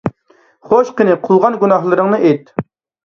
خوش، قېنى، قىلغان گۇناھلىرىڭنى ئېيت!